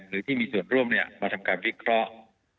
หรือที่มีส่วนร่วมมาทำการวิเคราะห์